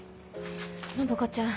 暢子ちゃん